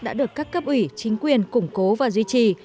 đã được các cấp ủy chính quyền củng cố và duy trì